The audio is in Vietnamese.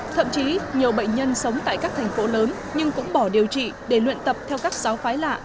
thậm chí nhiều bệnh nhân sống tại các thành phố lớn nhưng cũng bỏ điều trị để luyện tập theo các giáo phái lạ